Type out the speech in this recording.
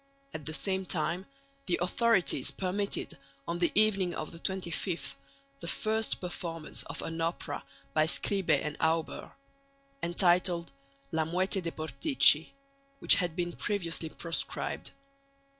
At the same time the authorities permitted, on the evening of the 25th, the first performance of an opera by Scribe and Auber, entitled La Muette de Portici, which had been previously proscribed.